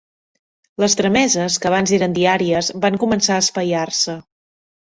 Les trameses, que abans eren diàries, van començar a espaiar-se.